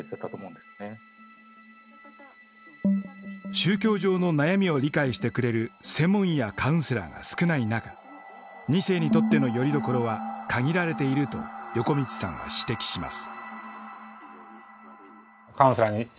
宗教上の悩みを理解してくれる２世にとってのよりどころは限られていると横道さんは指摘します。